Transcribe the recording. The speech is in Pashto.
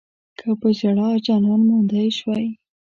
که پۀ ژړا جانان موندی شوی